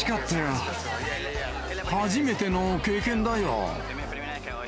初めての経験だよ。